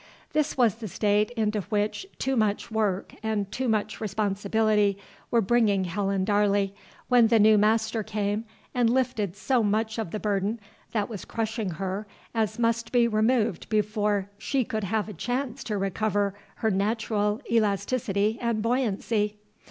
This was the state into which too much work and too much responsibility were bringing Helen Darley, when the new master came and lifted so much of the burden that was crushing her as must be removed before she could have a chance to recover her natural elasticity and buoyancy.